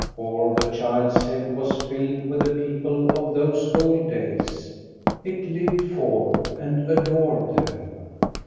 For the child's head was filled with the people of those old days; it lived for and adored them.